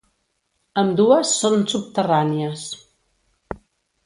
Ambdues són subterrànies.